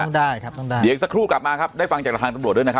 ต้องได้ครับต้องได้เดี๋ยวอีกสักครู่กลับมาครับได้ฟังจากทางตำรวจด้วยนะครับ